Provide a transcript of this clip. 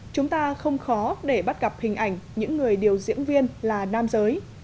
chúng ta không khó để bắt gặp hình ảnh những người điều diễn viên là nam giới